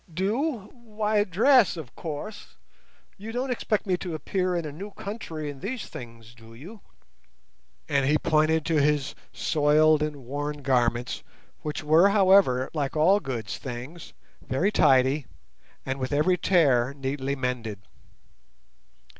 "Do—why dress, of course! You don't expect me to appear in a new country in these things, do you?" and he pointed to his soiled and worn garments, which were however, like all Good's things, very tidy, and with every tear neatly mended.